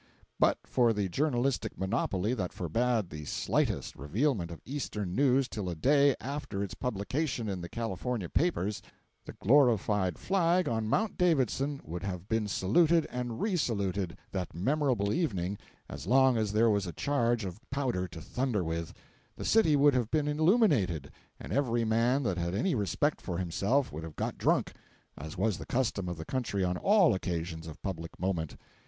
But for the journalistic monopoly that forbade the slightest revealment of eastern news till a day after its publication in the California papers, the glorified flag on Mount Davidson would have been saluted and re saluted, that memorable evening, as long as there was a charge of powder to thunder with; the city would have been illuminated, and every man that had any respect for himself would have got drunk,—as was the custom of the country on all occasions of public moment.